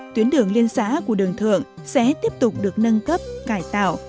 tuyến đường liên xã của đường thượng sẽ tiếp tục được nâng cấp cải tạo